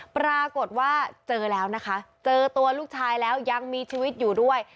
ปรากฏว่าเจอแล้วนะคะเจอตัวลูกชายแล้วยังมีชีวิตอยู่ด้วย